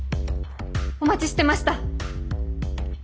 お待ちしてました。